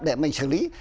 để mình xử lý